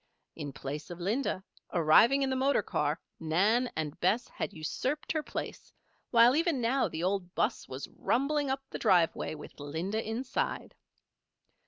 In place of Linda, arriving in the motor car, Nan and Bess had usurped her place; while even now the old 'bus was rumbling up the driveway with Linda inside.